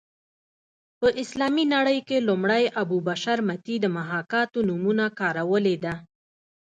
په اسلامي نړۍ کې لومړی ابو بشر متي د محاکات نومونه کارولې ده